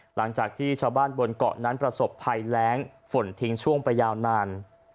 หลังจากที่ชาวบ้านบนเกาะนั้นประสบภัยแรงฝนทิ้งช่วงไปยาวนาน